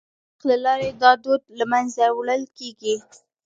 د قانون د تطبیق له لارې دا دود له منځه وړل کيږي.